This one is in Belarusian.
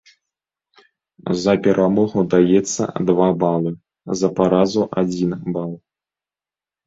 За перамогу даецца два балы, за паразу адзін бал.